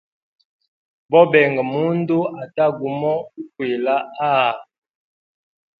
Bobenga mundu ata gumo ukwila haa.